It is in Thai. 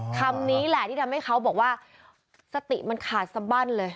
คำนี้แหละที่ทำให้เขาบอกว่าสติมันขาดสบั้นเลย